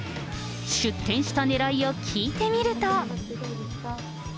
出店したねらいを聞いてみると。